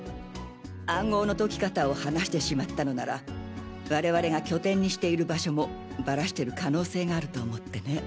暗号の解き方を話してしまったのなら我々が拠点にしている場所もバラしてる可能性があると思ってね。